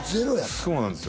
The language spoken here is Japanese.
そうなんですよ